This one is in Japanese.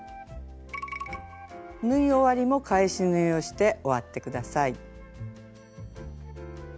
縫い終わりも返し縫いをして終わって下さい。